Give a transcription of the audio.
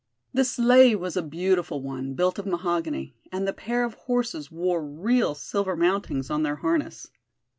The sleigh was a beautiful one, built of mahogany, and the pair of horses wore real silver mountings on their harness.